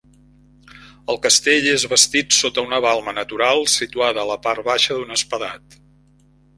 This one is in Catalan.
El castell és bastit sota una balma natural situada a la part baixa d'un espadat.